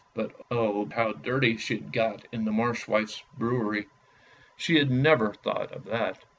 But, oh, how dirty she had got in the Marsh wife's brewery; she had never thought of that.